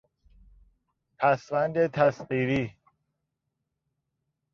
پسوند تصغیری